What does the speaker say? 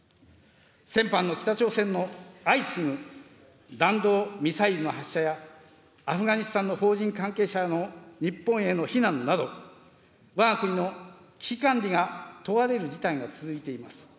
先般の北朝鮮の相次ぐ弾道ミサイルの発射や、アフガニスタンの邦人・関係者らの日本への避難など、わが国の危機管理が問われる事態が続いています。